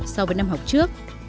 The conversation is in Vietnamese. so với năm học trước